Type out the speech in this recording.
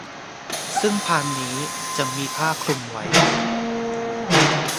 ซึ่งพานนี้จะมีผ้าคลุมไว้